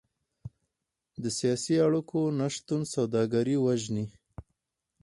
د سیاسي اړیکو نشتون سوداګري وژني.